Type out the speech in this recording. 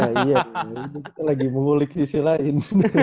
itu lagi mengulik sisi lain